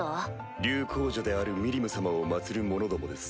竜皇女であるミリム様を祀る者どもです。